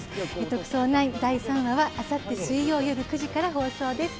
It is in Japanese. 「『特捜９』第３話はあさって水曜よる９時から放送です。